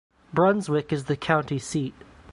Brunswick is the county seat.